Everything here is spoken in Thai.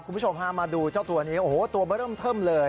คุณผู้ชมฮะมาดูเจ้าตัวนี้โอ้โหตัวเบอร์เริ่มเทิมเลย